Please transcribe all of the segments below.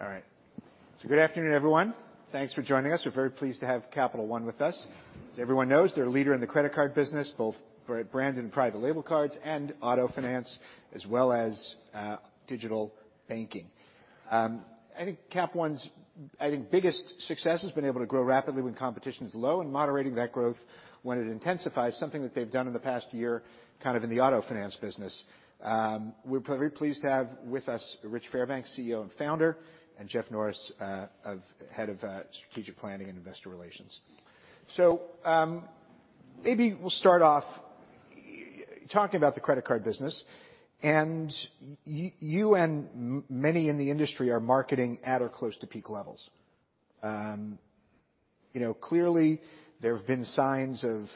All right. Good afternoon, everyone. Thanks for joining us. We're very pleased to have Capital One with us. As everyone knows, they're a leader in the credit card business, both for brand and private label cards and auto finance, as well as digital banking. I think Cap One's biggest success has been able to grow rapidly when competition is low and moderating that growth when it intensifies, something that they've done in the past year, kind of in the auto finance business. We're very pleased to have with us Rich Fairbank, CEO and Founder, and Jeff Norris, Head of Strategic Planning and Investor Relations. Maybe we'll start off talking about the credit card business. You and many in the industry are marketing at or close to peak levels. you know, clearly, there have been signs of,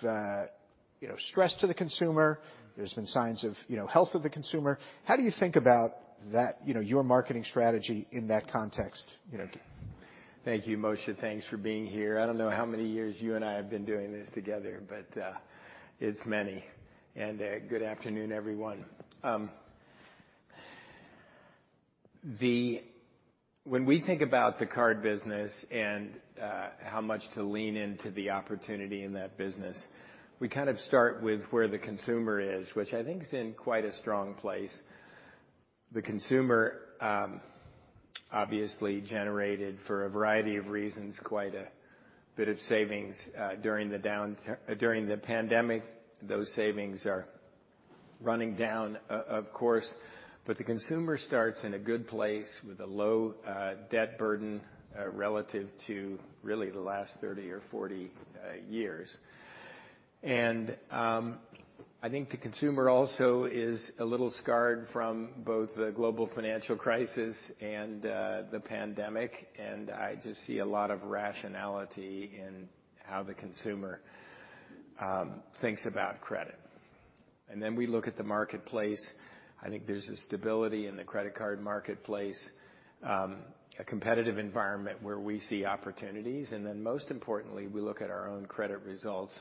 you know, stress to the consumer. There's been signs of, you know, health of the consumer. How do you think about that, you know, your marketing strategy in that context, you know? Thank you, Moshe. Thanks for being here. I don't know how many years you and I have been doing this together, but it's many. Good afternoon, everyone. When we think about the card business and how much to lean into the opportunity in that business, we kind of start with where the consumer is, which I think is in quite a strong place. The consumer, obviously generated, for a variety of reasons, quite a bit of savings during the pandemic. Those savings are running down, of course. The consumer starts in a good place with a low debt burden relative to really the last 30 or 40 years. I think the consumer also is a little scarred from both the global financial crisis and the pandemic. I just see a lot of rationality in how the consumer thinks about credit. We look at the marketplace. I think there's a stability in the credit card marketplace, a competitive environment where we see opportunities. Most importantly, we look at our own credit results.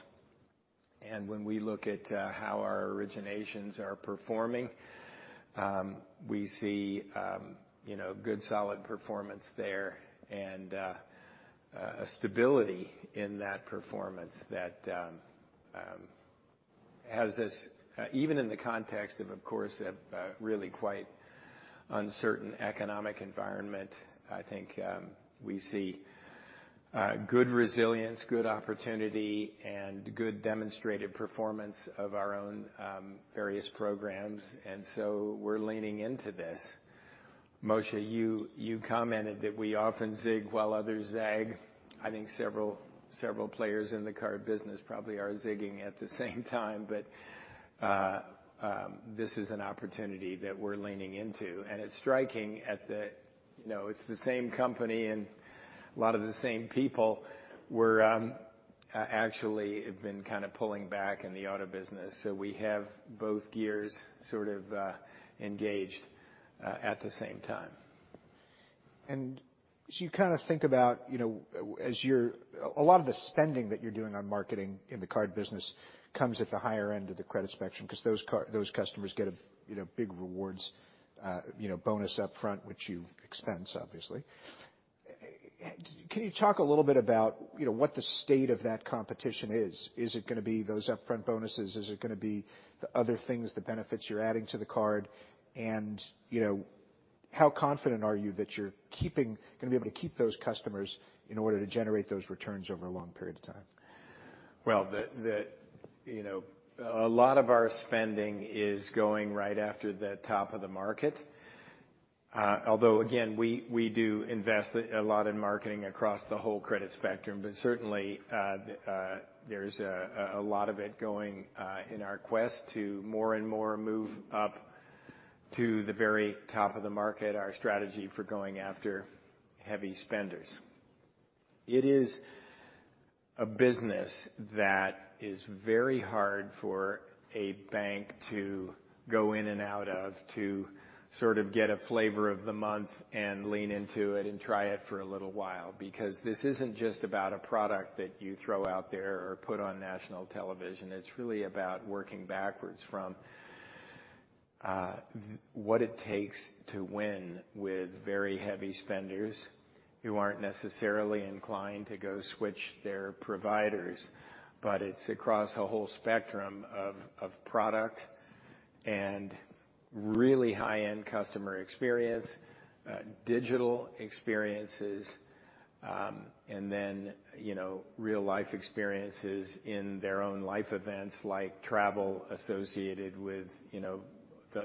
When we look at how our originations are performing, we see, you know, good solid performance there and a stability in that performance that has this even in the context of course, a really quite uncertain economic environment. I think we see good resilience, good opportunity, and good demonstrated performance of our own various programs. We're leaning into this. Moshe, you commented that we often zig while others zag. I think several players in the card business probably are zigging at the same time, but this is an opportunity that we're leaning into. It's striking at the, you know, it's the same company and a lot of the same people. We're actually have been kind of pulling back in the auto business, so we have both gears sort of engaged at the same time. As you kind of think about, you know, a lot of the spending that you're doing on marketing in the card business comes at the higher end of the credit spectrum because those customers get a, you know, big rewards, you know, bonus up front, which you expense, obviously. Can you talk a little bit about, you know, what the state of that competition is? Is it gonna be those upfront bonuses? Is it gonna be the other things, the benefits you're adding to the card? You know, how confident are you that you're gonna be able to keep those customers in order to generate those returns over a long period of time? Well, you know, a lot of our spending is going right after the top of the market. Although again, we do invest a lot in marketing across the whole credit spectrum. Certainly, there's a lot of it going in our quest to more and more move up to the very top of the market, our strategy for going after heavy spenders. It is a business that is very hard for a bank to go in and out of to sort of get a flavor of the month and lean into it and try it for a little while, because this isn't just about a product that you throw out there or put on national television. It's really about working backwards from what it takes to win with very heavy spenders who aren't necessarily inclined to go switch their providers. It's across a whole spectrum of product and really high-end customer experience, digital experiences, and then, you know, real-life experiences in their own life events, like travel associated with, you know,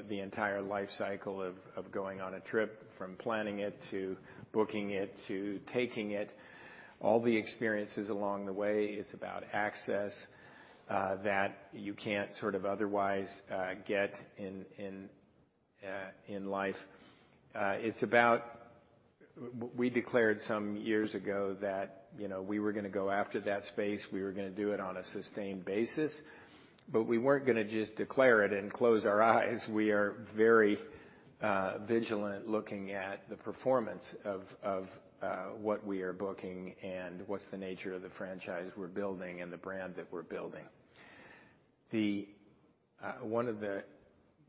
the entire life cycle of going on a trip, from planning it, to booking it, to taking it, all the experiences along the way. It's about access that you can't sort of otherwise get in life. It's about we declared some years ago that, you know, we were gonna go after that space. We were gonna do it on a sustained basis, but we weren't gonna just declare it and close our eyes. We are very vigilant looking at the performance of what we are booking and what's the nature of the franchise we're building and the brand that we're building. The one of the,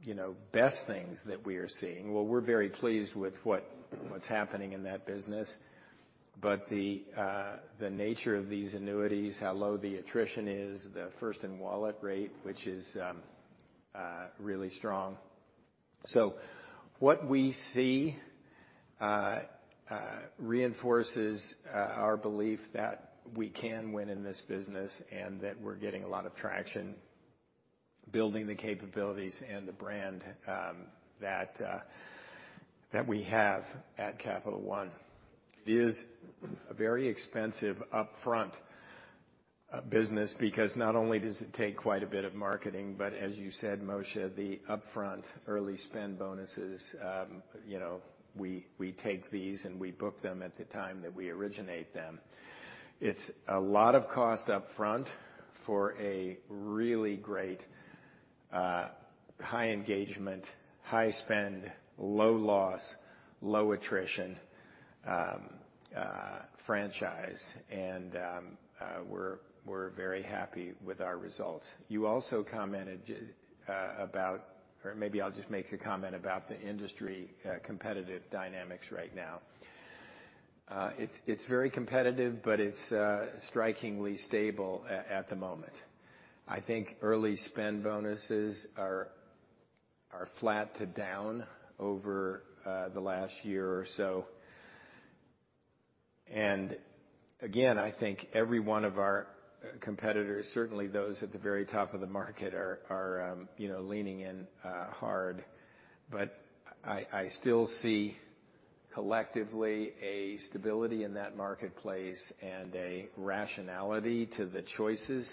you know, best things that we are seeing. Well, we're very pleased with what's happening in that business. The nature of these annuities, how low the attrition is, the first in-wallet rate, which is really strong. What we see reinforces our belief that we can win in this business and that we're getting a lot of traction building the capabilities and the brand that we have at Capital One. It is a very expensive upfront business because not only does it take quite a bit of marketing, but as you said, Moshe, the upfront early spend bonuses, you know, we take these, and we book them at the time that we originate them. It's a lot of cost up front for a really great, high engagement, high spend, low loss, low attrition franchise. We're very happy with our results. You also commented about, or maybe I'll just make a comment about the industry competitive dynamics right now. It's very competitive, but it's strikingly stable at the moment. I think early spend bonuses are flat to down over the last year or so. Again, I think every one of our competitors, certainly those at the very top of the market are, you know, leaning in hard. I still see collectively a stability in that marketplace and a rationality to the choices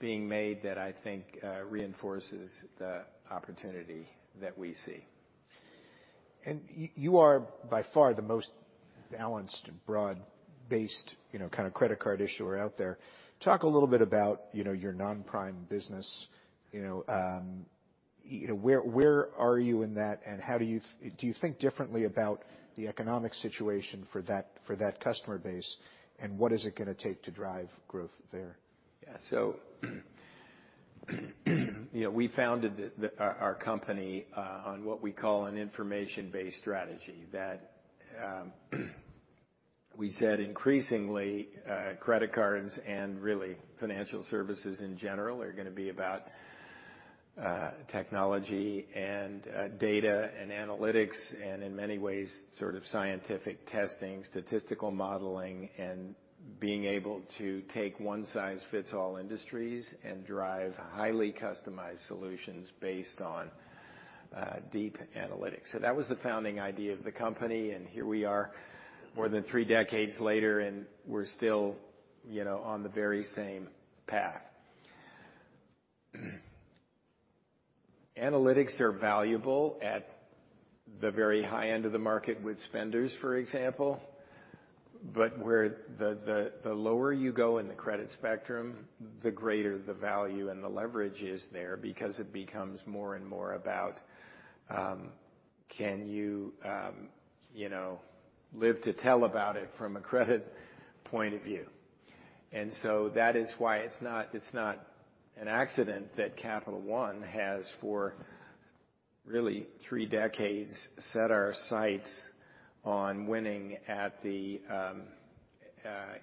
being made that I think reinforces the opportunity that we see. You are by far the most balanced and broad-based, you know, kind of credit card issuer out there. Talk a little bit about, you know, your non-prime business. You know, you know, where are you in that, and how do you Do you think differently about the economic situation for that customer base, and what is it gonna take to drive growth there? You know, we founded our company on what we call an information-based strategy that we said increasingly credit cards and really financial services in general are gonna be about technology and data and analytics and in many ways, sort of scientific testing, statistical modeling, and being able to take one size fits all industries and drive highly customized solutions based on deep analytics. That was the founding idea of the company. Here we are more than three decades later, and we're still, you know, on the very same path. Analytics are valuable at the very high end of the market with spenders, for example. Where the lower you go in the credit spectrum, the greater the value and the leverage is there because it becomes more and more about, can you know, live to tell about it from a credit point of view. That is why it's not an accident that Capital One has, for really three decades, set our sights on winning at the,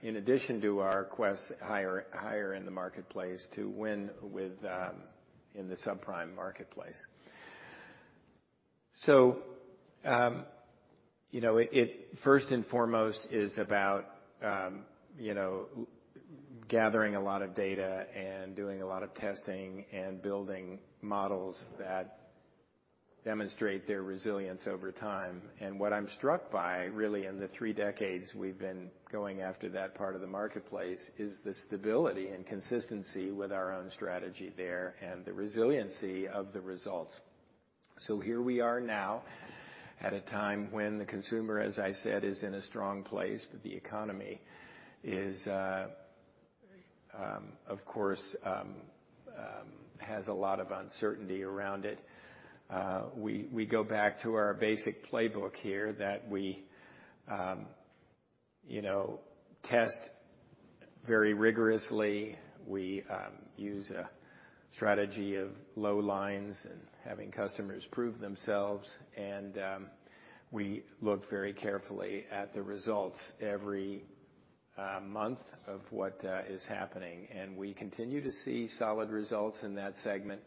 in addition to our quest higher in the marketplace to win with, in the subprime marketplace. You know, it first and foremost is about, you know, gathering a lot of data and doing a lot of testing and building models that demonstrate their resilience over time. What I'm struck by really in the three decades we've been going after that part of the marketplace is the stability and consistency with our own strategy there and the resiliency of the results. Here we are now at a time when the consumer, as I said, is in a strong place, but the economy is, of course, has a lot of uncertainty around it. We, we go back to our basic playbook here that we, you know, test very rigorously. We use a strategy of low lines and having customers prove themselves. We look very carefully at the results every month of what is happening, and we continue to see solid results in that segment.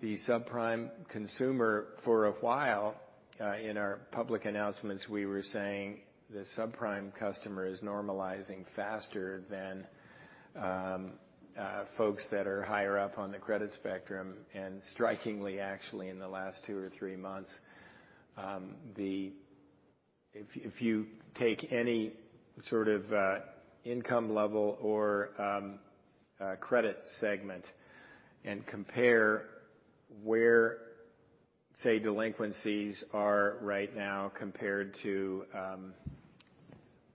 The subprime consumer for a while, in our public announcements, we were saying the subprime customer is normalizing faster than folks that are higher up on the credit spectrum. Strikingly actually in the last two or three months, If you take any sort of income level or credit segment and compare where, say, delinquencies are right now compared to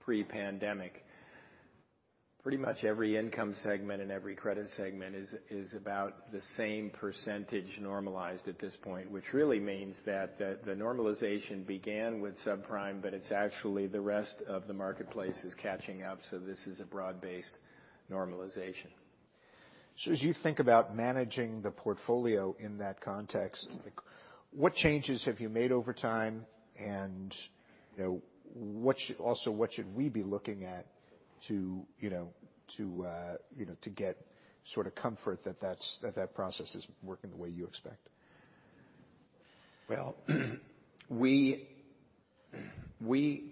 pre-pandemic, pretty much every income segment and every credit segment is about the same percentage normalized at this point, which really means that the normalization began with subprime, but it's actually the rest of the marketplace is catching up, so this is a broad-based normalization. As you think about managing the portfolio in that context, like, what changes have you made over time? You know, Also, what should we be looking at to, you know, to, you know, to get sort of comfort that that's, that process is working the way you expect? Well, we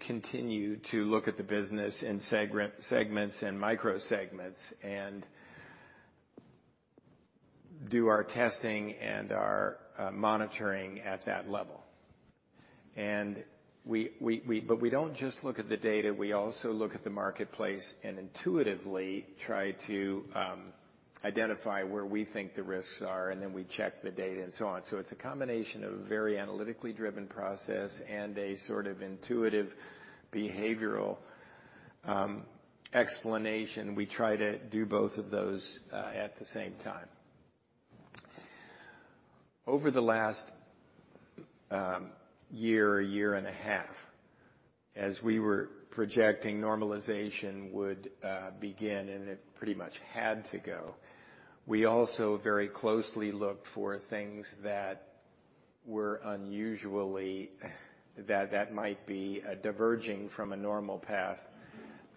continue to look at the business in segments and micro segments and do our testing and our monitoring at that level. We don't just look at the data, we also look at the marketplace and intuitively try to identify where we think the risks are, we check the data and so on. It's a combination of a very analytically driven process and a sort of intuitive behavioral explanation. We try to do both of those at the same time. Over the last year and a half, as we were projecting normalization would begin, It pretty much had to go. We also very closely looked for things that were unusually. That might be diverging from a normal path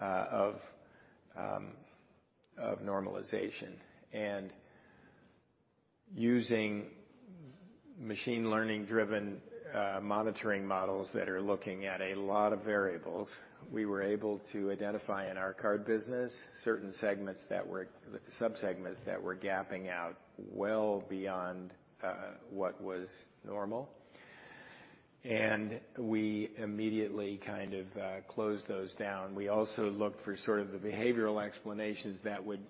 of normalization. Using machine learning-driven, monitoring models that are looking at a lot of variables, we were able to identify in our card business, certain subsegments that were gapping out well beyond what was normal. We immediately kind of closed those down. We also looked for sort of the behavioral explanations that would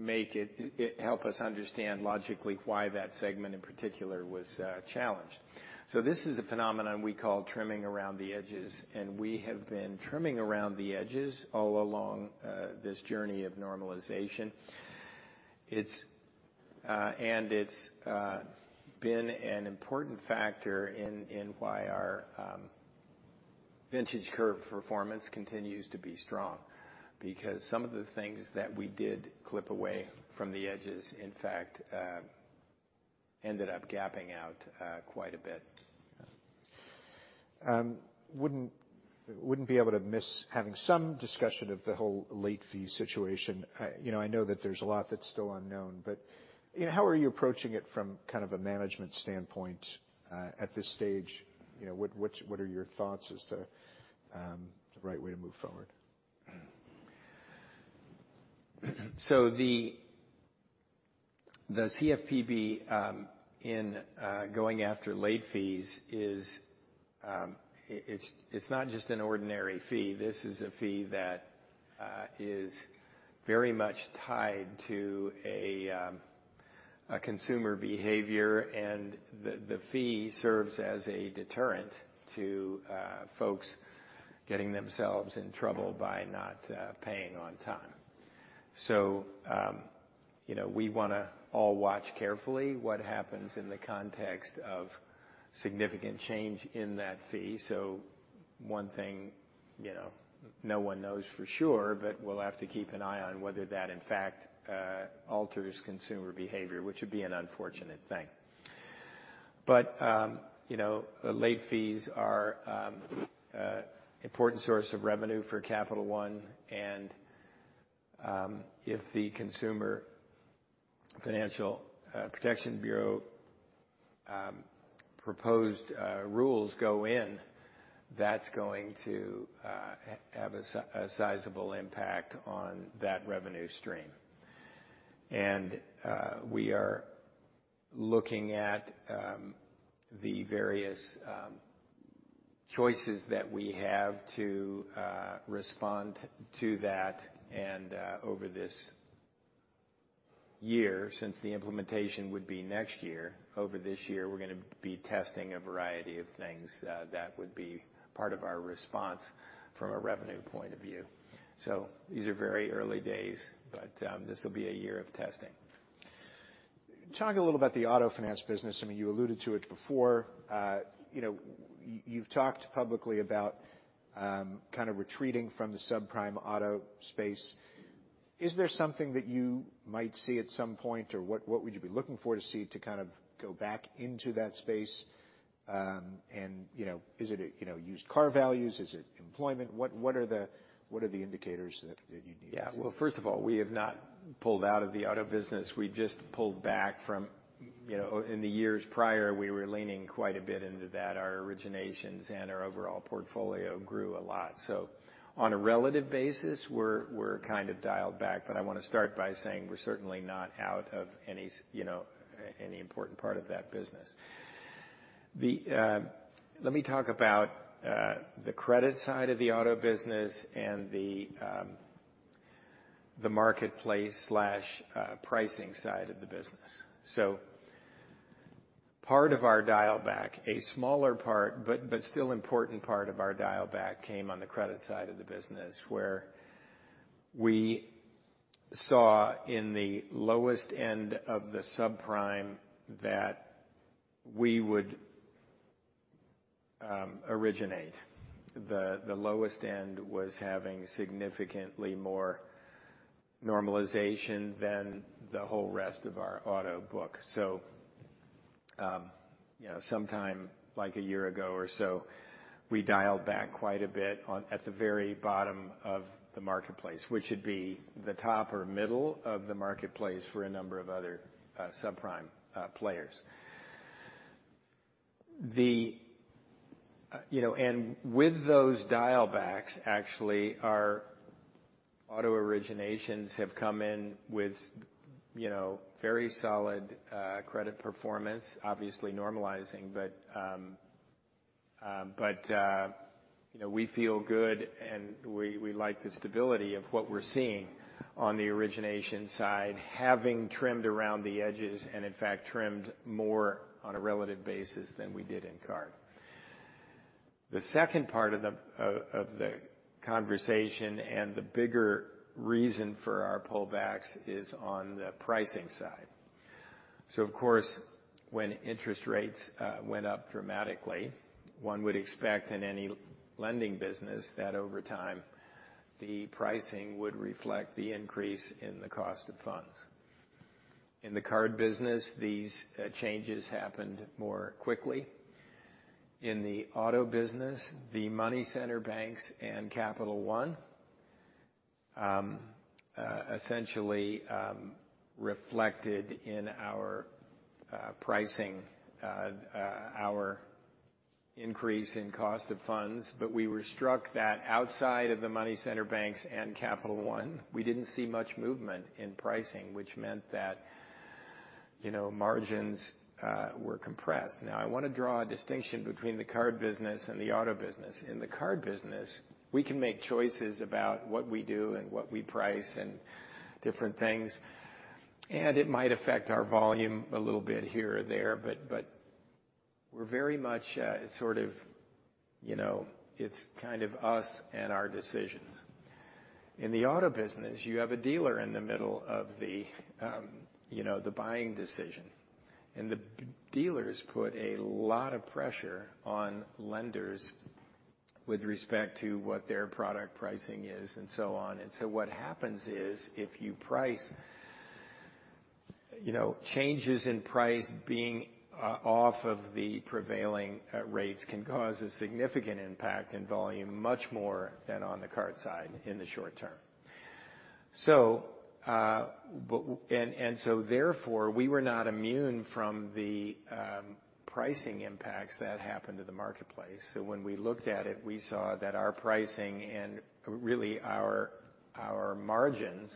make it help us understand logically why that segment, in particular, was challenged. This is a phenomenon we call trimming around the edges, and we have been trimming around the edges all along, this journey of normalization. It's, and it's, been an important factor in why our vintage curve performance continues to be strong because some of the things that we did clip away from the edges, in fact, ended up gapping out quite a bit. Wouldn't be able to miss having some discussion of the whole late fee situation. You know, I know that there's a lot that's still unknown, but, you know, how are you approaching it from kind of a management standpoint at this stage? You know, what are your thoughts as the right way to move forward? The CFPB, in going after late fees, it's not just an ordinary fee. This is a fee that is very much tied to a consumer behavior, and the fee serves as a deterrent to folks getting themselves in trouble by not paying on time. You know, we wanna all watch carefully what happens in the context of significant change in that fee. One thing, you know, no one knows for sure, but we'll have to keep an eye on whether that, in fact, alters consumer behavior, which would be an unfortunate thing. You know, late fees are important source of revenue for Capital One and, if the Consumer Financial Protection Bureau proposed rules go in, that's going to have a sizable impact on that revenue stream. We are looking at the various choices that we have to respond to that. Over this year, since the implementation would be next year, over this year, we're gonna be testing a variety of things that would be part of our response from a revenue point of view. These are very early days, but, this will be a year of testing. Talk a little about the auto finance business. I mean, you alluded to it before. You know, you've talked publicly about, kind of retreating from the subprime auto space. Is there something that you might see at some point, or what would you be looking for to see to kind of go back into that space? You know, is it, you know, used car values? Is it employment? What are the indicators that you need? Yeah. Well, first of all, we have not pulled out of the auto business. We just pulled back from... You know, in the years prior, we were leaning quite a bit into that. Our originations and our overall portfolio grew a lot. On a relative basis, we're kind of dialed back, but I wanna start by saying we're certainly not out of any you know, any important part of that business. The... Let me talk about the credit side of the auto business and the marketplace/pricing side of the business. Part of our dial back, a smaller part, but still important part of our dial back came on the credit side of the business, where we saw in the lowest end of the subprime that we would originate. The lowest end was having significantly more normalization than the whole rest of our auto book. You know, sometime like a year ago or so, we dialed back quite a bit at the very bottom of the marketplace, which would be the top or middle of the marketplace for a number of other subprime players. You know, with those dial backs, actually, our auto originations have come in with, you know, very solid credit performance, obviously normalizing. But, you know, we feel good, and we like the stability of what we're seeing on the origination side, having trimmed around the edges, and in fact trimmed more on a relative basis than we did in card. The second part of the conversation and the bigger reason for our pullbacks is on the pricing side. Of course, when interest rates went up dramatically, one would expect in any lending business that over time the pricing would reflect the increase in the cost of funds. In the card business, these changes happened more quickly. In the auto business, the money center banks and Capital One essentially reflected in our pricing our increase in cost of funds. We were struck that outside of the money center banks and Capital One, we didn't see much movement in pricing, which meant that, you know, margins were compressed. Now I wanna draw a distinction between the card business and the auto business. In the card business, we can make choices about what we do and what we price and different things. It might affect our volume a little bit here or there, but we're very much, sort of, you know, it's kind of us and our decisions. In the auto business, you have a dealer in the middle of the, you know, the buying decision. The dealers put a lot of pressure on lenders with respect to what their product pricing is and so on. What happens is, if you price, you know, changes in price being off of the prevailing rates can cause a significant impact in volume, much more than on the card side in the short term. Therefore, we were not immune from the pricing impacts that happened to the marketplace. When we looked at it, we saw that our pricing and really our margins,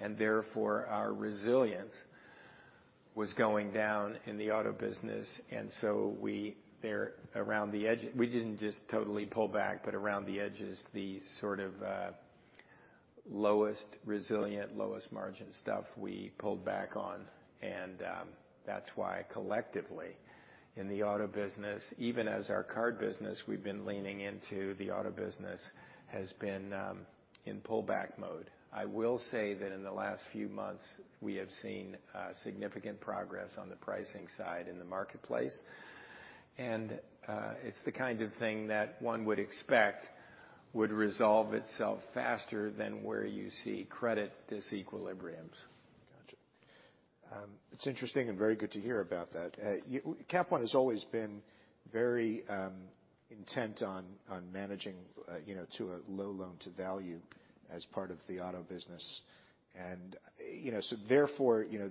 and therefore our resilience, was going down in the auto business. We didn't just totally pull back, but around the edges, the sort of, lowest resilient, lowest margin stuff we pulled back on. That's why collectively in the auto business, even as our card business, we've been leaning into the auto business, has been in pullback mode. I will say that in the last few months we have seen significant progress on the pricing side in the marketplace. It's the kind of thing that one would expect would resolve itself faster than where you see credit disequilibrium. Gotcha. It's interesting and very good to hear about that. Cap One has always been very intent on managing, you know, to a low loan to value as part of the auto business. You know, so therefore, you know,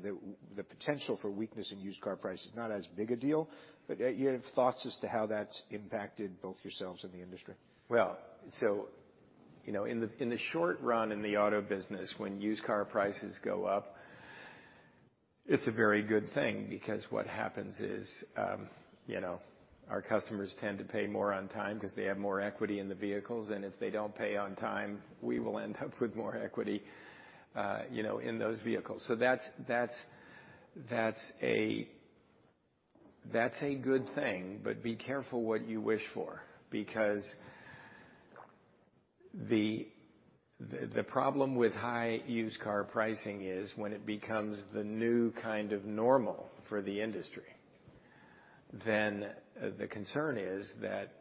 the potential for weakness in used car price is not as big a deal, but you have thoughts as to how that's impacted both yourselves and the industry? You know, in the short run, in the auto business, when used car prices go up, it's a very good thing because what happens is, you know, our customers tend to pay more on time 'cause they have more equity in the vehicles. If they don't pay on time, we will end up with more equity, you know, in those vehicles. That's a good thing, but be careful what you wish for. The problem with high used car pricing is when it becomes the new kind of normal for the industry, the concern is that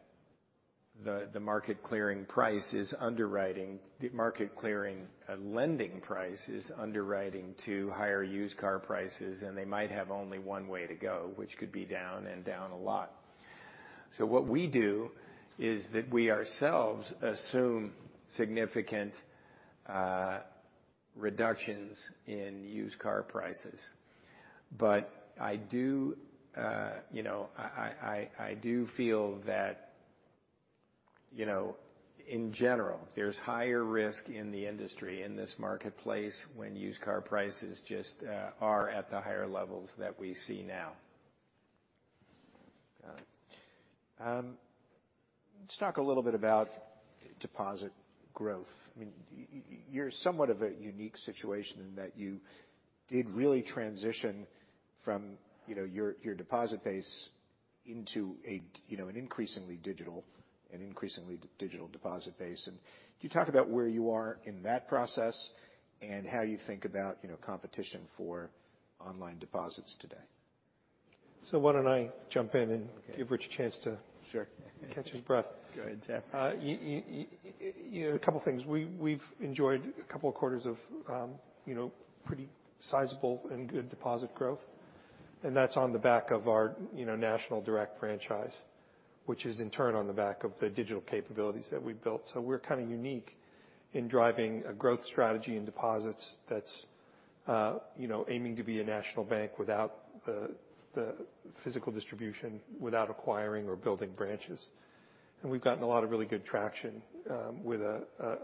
the market clearing lending price is underwriting to higher used car prices, and they might have only one way to go, which could be down and down a lot. What we do is that we ourselves assume significant reductions in used car prices. I do, you know, I do feel that, you know, in general there's higher risk in the industry, in this marketplace when used car prices just are at the higher levels that we see now. Got it. let's talk a little bit about deposit growth. I mean, you're somewhat of a unique situation in that you did really transition from, you know, your deposit base into a, you know, an increasingly digital deposit base. can you talk about where you are in that process and how you think about, you know, competition for online deposits today. Why don't I jump in. Okay. give Rich a chance to Sure. catch his breath. Go ahead, Jeff. You know, a couple things. We've enjoyed a couple quarters of, you know, pretty sizable and good deposit growth. That's on the back of our, you know, national direct franchise, which is in turn on the back of the digital capabilities that we've built. We're kind of unique in driving a growth strategy in deposits that's, you know, aiming to be a national bank without the physical distribution, without acquiring or building branches. We've gotten a lot of really good traction with a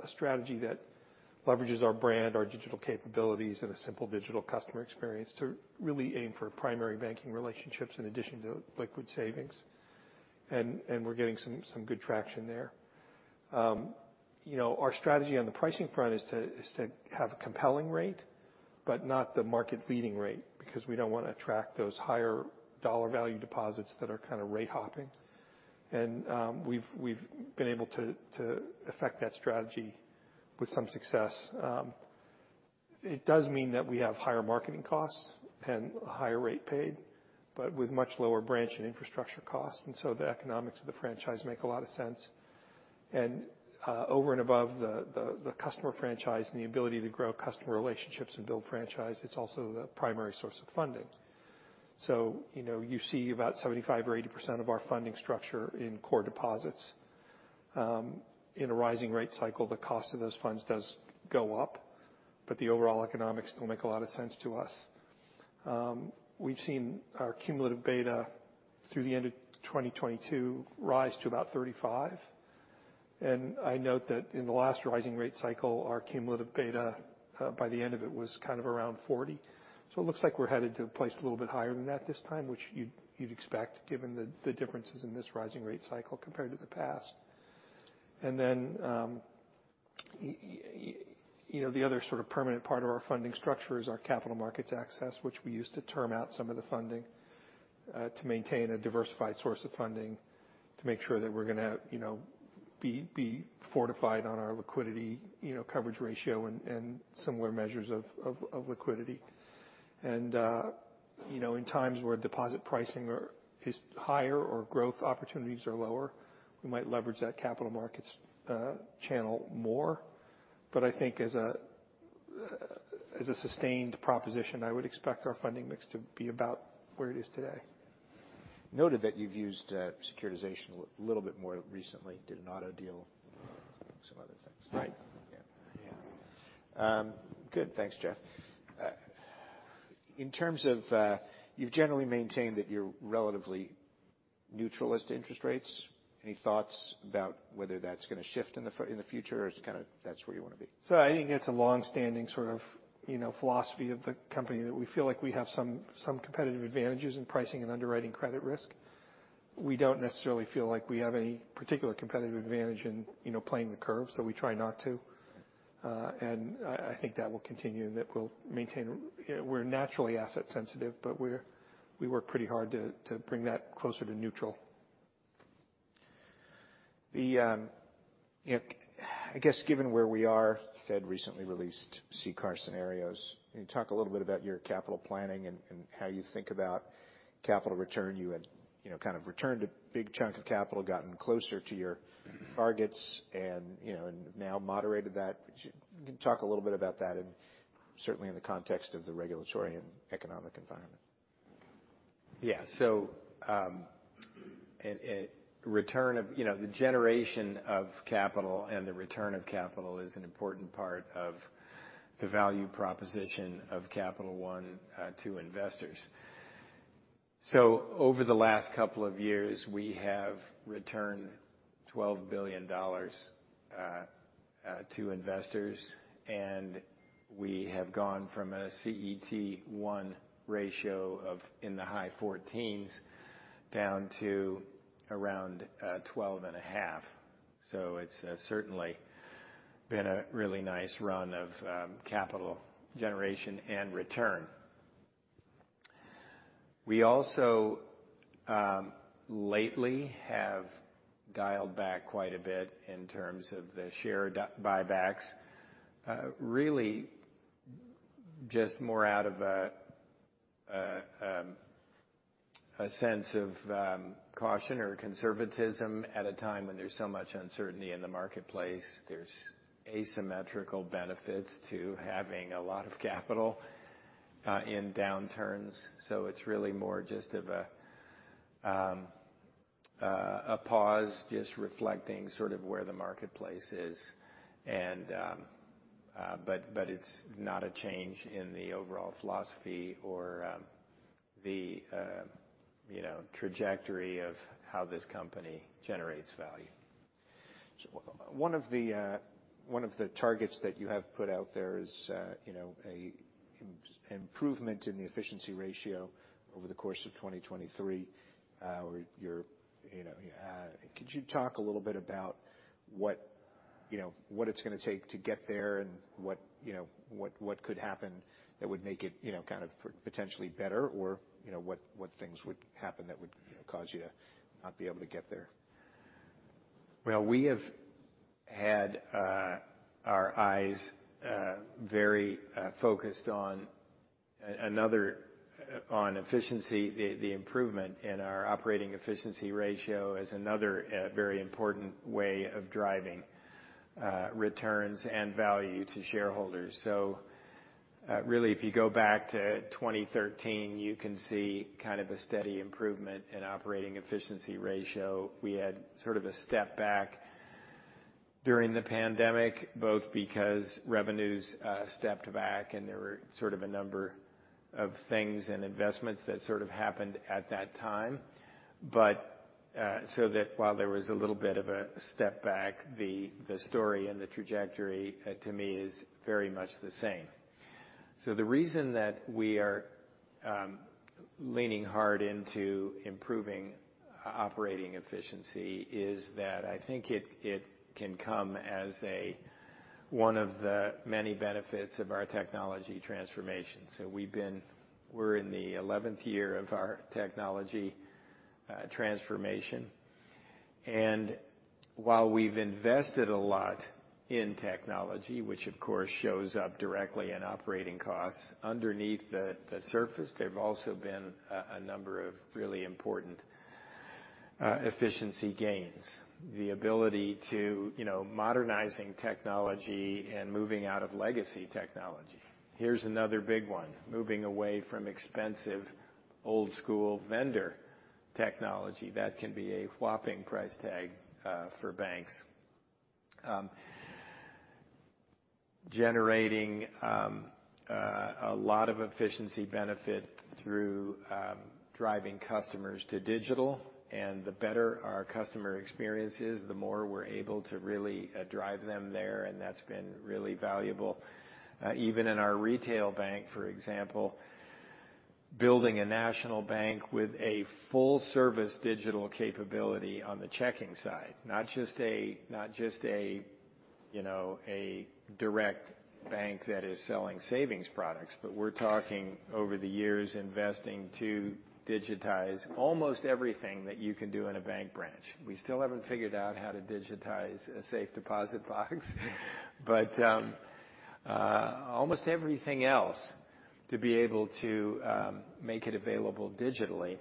strategy that leverages our brand, our digital capabilities and a simple digital customer experience to really aim for primary banking relationships in addition to liquid savings. We're getting some good traction there. you know, our strategy on the pricing front is to have a compelling rate, but not the market-leading rate, because we don't wanna attract those higher dollar value deposits that are kinda rate hopping. we've been able to affect that strategy with some success. it does mean that we have higher marketing costs and higher rate paid, but with much lower branch and infrastructure costs, the economics of the franchise make a lot of sense. over and above the customer franchise and the ability to grow customer relationships and build franchise, it's also the primary source of funding. you know, you see about 75% or 80% of our funding structure in core deposits. In a rising rate cycle, the cost of those funds does go up, but the overall economics still make a lot of sense to us. We've seen our cumulative beta through the end of 2022 rise to about 35. I note that in the last rising rate cycle, our cumulative beta, by the end of it, was kind of around 40. It looks like we're headed to a place a little bit higher than that this time, which you'd expect given the differences in this rising rate cycle compared to the past. You know, the other sort of permanent part of our funding structure is our capital markets access, which we use to term out some of the funding, to maintain a diversified source of funding, to make sure that we're gonna, you know, be fortified on our liquidity, you know, coverage ratio and similar measures of liquidity. You know, in times where deposit pricing is higher or growth opportunities are lower, we might leverage that capital markets channel more. I think as a sustained proposition, I would expect our funding mix to be about where it is today. Noted that you've used, securitization a little bit more recently. Did an auto deal, some other things. Right. Yeah. Yeah. good. Thanks, Jeff. In terms of, you've generally maintained that you're relatively neutral as to interest rates. Any thoughts about whether that's gonna shift in the future or just that's where you wanna be? I think it's a long-standing sort of, you know, philosophy of the company, that we feel like we have some competitive advantages in pricing and underwriting credit risk. We don't necessarily feel like we have any particular competitive advantage in, you know, playing the curve, so we try not to. I think that will continue and it will maintain We're naturally asset sensitive, but we work pretty hard to bring that closer to neutral. The, you know, I guess given where we are, Fed recently released CCAR scenarios. Can you talk a little bit about your capital planning and how you think about capital return? You had, you know, kind of returned a big chunk of capital, gotten closer to your targets and, you know, and now moderated that. Could you talk a little bit about that and certainly in the context of the regulatory and economic environment. You know, the generation of capital and the return of capital is an important part of the value proposition of Capital One to investors. Over the last couple of years, we have returned $12 billion to investors, and we have gone from a CET1 ratio of in the high 14s down to around 12.5. It's certainly been a really nice run of capital generation and return. We also lately have dialed back quite a bit in terms of the share buybacks, really just more out of a sense of caution or conservatism at a time when there's so much uncertainty in the marketplace. There's asymmetrical benefits to having a lot of capital, in downturns, so it's really more just of a pause, just reflecting sort of where the marketplace is. But it's not a change in the overall philosophy or, the, you know, trajectory of how this company generates value. One of the, one of the targets that you have put out there is, you know, a improvement in the efficiency ratio over the course of 2023. You're, you know, could you talk a little bit about what, you know, what it's gonna take to get there and what, you know, what could happen that would make it, you know, kind of potentially better or, you know, what things would happen that would, you know, cause you to not be able to get there? We have had our eyes very focused on another on efficiency. The improvement in our operating efficiency ratio is another very important way of driving returns and value to shareholders. Really if you go back to 2013, you can see kind of a steady improvement in operating efficiency ratio. We had sort of a step back during the pandemic, both because revenues stepped back and there were sort of a number of things and investments that sort of happened at that time. So that while there was a little bit of a step back, the story and the trajectory to me, is very much the same. The reason that we are leaning hard into improving operating efficiency is that I think it can come as one of the many benefits of our technology transformation. We're in the 11th year of our technology transformation. While we've invested a lot in technology, which of course shows up directly in operating costs, underneath the surface, there've also been a number of really important efficiency gains. The ability to, you know, modernizing technology and moving out of legacy technology. Here's another big one, moving away from expensive old school vendor technology. That can be a whopping price tag for banks. Generating a lot of efficiency benefit through driving customers to digital, and the better our customer experience is, the more we're able to really drive them there, and that's been really valuable. Even in our retail bank, for example, building a national bank with a full service digital capability on the checking side, not just a, you know, a direct bank that is selling savings products. We're talking over the years investing to digitize almost everything that you can do in a bank branch. We still haven't figured out how to digitize a safe deposit box. Almost everything else to be able to make it available digitally.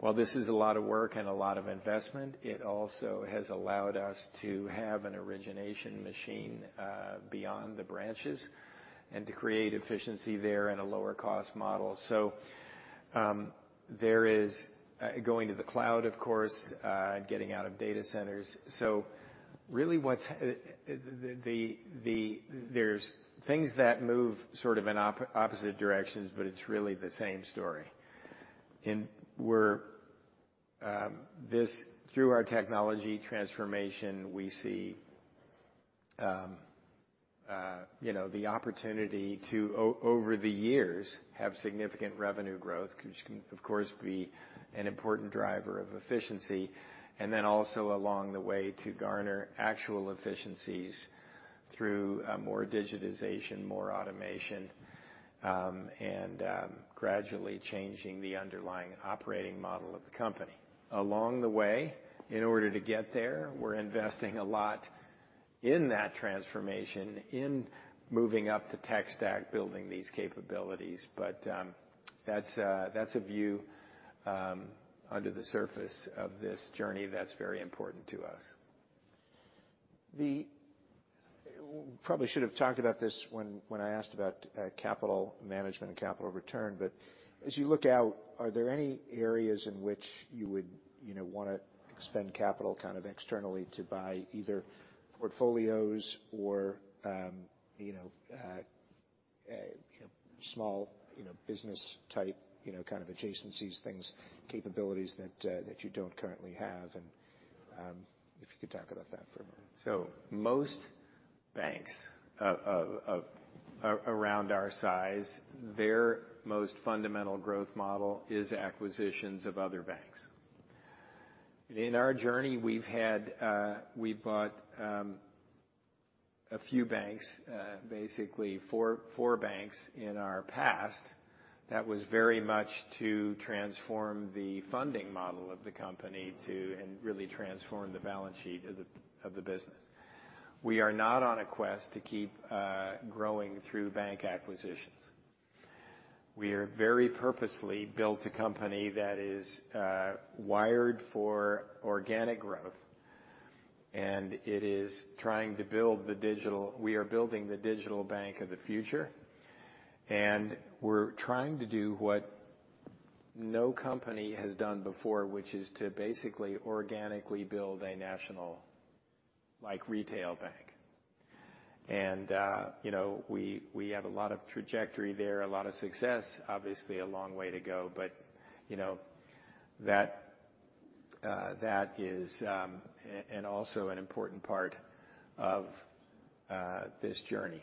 While this is a lot of work and a lot of investment, it also has allowed us to have an origination machine beyond the branches and to create efficiency there and a lower cost model. There is going to the cloud, of course, getting out of data centers. Really what's the... There's things that move sort of in opposite directions, but it's really the same story. We're, this, through our technology transformation, we see, you know, the opportunity to over the years, have significant revenue growth, which can of course be an important driver of efficiency. Also along the way, to garner actual efficiencies through, more digitization, more automation, and gradually changing the underlying operating model of the company. Along the way, in order to get there, we're investing a lot in that transformation, in moving up the tech stack, building these capabilities. That's a, that's a view, under the surface of this journey that's very important to us. Probably should have talked about this when I asked about capital management and capital return. As you look out, are there any areas in which you would, you know, wanna expend capital kind of externally to buy either portfolios or, you know, small, you know, business type, you know, kind of adjacencies things, capabilities that you don't currently have? If you could talk about that for a moment. Most banks around our size, their most fundamental growth model is acquisitions of other banks. In our journey, we've had, we bought a few banks, basically four banks in our past. That was very much to transform the funding model of the company to really transform the balance sheet of the business. We are not on a quest to keep growing through bank acquisitions. We have very purposely built a company that is wired for organic growth, and it is trying to build the digital. We are building the digital bank of the future, and we're trying to do what no company has done before, which is to basically organically build a national like retail bank. You know, we have a lot of trajectory there, a lot of success. Obviously, a long way to go, but, you know. That is and also an important part of this journey.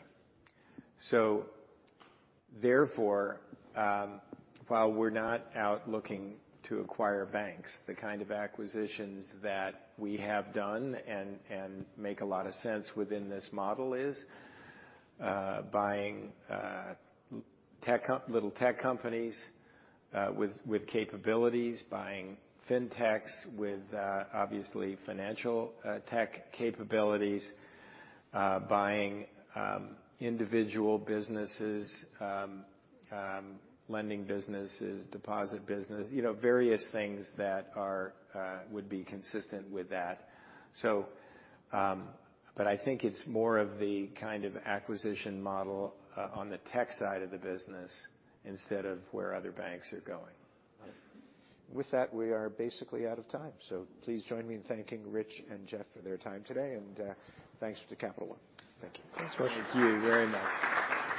While we're not out looking to acquire banks, the kind of acquisitions that we have done and make a lot of sense within this model is buying little tech companies with capabilities, buying fintechs with obviously financial tech capabilities. Buying individual businesses, lending businesses, deposit business, you know, various things that are would be consistent with that. I think it's more of the kind of acquisition model on the tech side of the business instead of where other banks are going. With that, we are basically out of time. Please join me in thanking Rich and Jeff for their time today. Thanks to Capital One. Thank you. Thank you. Very nice.